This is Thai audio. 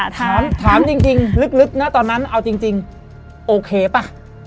ถามจริงลึกนะตอนนั้นเอาจริงโอเคป่ะ